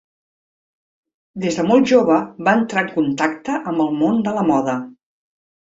Des de molt jove va entrar en contacte amb el món de la moda.